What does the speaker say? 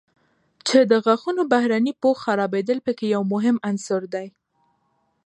چې د غاښونو بهرني پوښ خرابېدل په کې یو مهم عنصر دی.